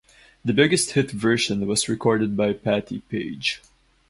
The biggest hit version was recorded by Patti Page.